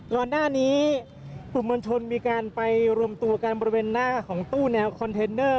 ก่อนหน้านี้กลุ่มมวลชนมีการไปรวมตัวกันบริเวณหน้าของตู้แนวคอนเทนเนอร์